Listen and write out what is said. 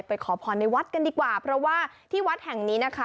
ขอพรในวัดกันดีกว่าเพราะว่าที่วัดแห่งนี้นะคะ